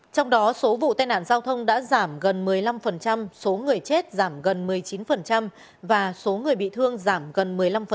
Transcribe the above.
trong đó số vụ tai nạn giao thông đã giảm gần một mươi năm số người chết giảm gần một mươi chín và số người bị thương giảm gần một mươi năm